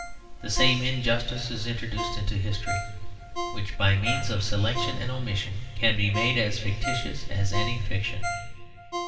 The same injustice is introduced into history, which by means of selection and omission can be made as fictitious as any fiction.